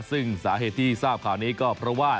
ซึ่งสาเหตุที่ทราบข่าวนี้ก็เพราะว่า